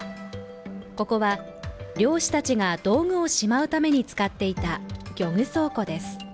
ここは漁師たちが道具をしまうために使っていた漁具倉庫です。